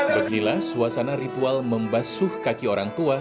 beginilah suasana ritual membasuh kaki orang tua